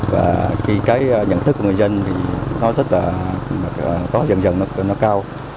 và khi cái nhận thức của người dân thì nó rất là có dần dần nó cao